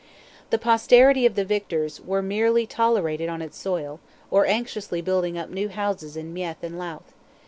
The posterity of the victors were merely tolerated on its soil, or anxiously building up new houses in Meath and Louth.